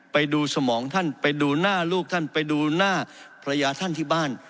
ไปดูสมองท่านไปดูหน้าลูกท่านไปดูหน้าภรรยาท่านที่บ้าน